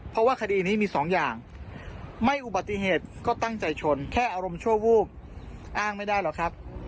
เพราะว่าคดีนี้มีสองอย่างไม่อุบัติเหตุก็ตั้งใจชนแค่อารมณ์ชั่ววูบอ้างไม่ได้หรอกครับ